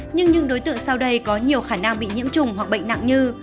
nhưng những đối tượng sau đây có nhiều khả năng bị nhiễm trùng hoặc bệnh nặng như